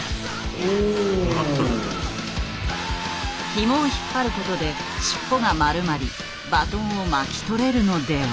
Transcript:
ひもを引っ張ることで尻尾が丸まりバトンを巻き取れるのでは。